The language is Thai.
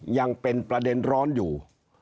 ยังเป็นประเด็นร้อนอยู่